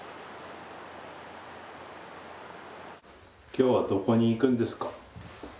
きょうはどこに行くんですか？